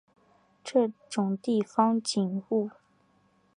这种地方景物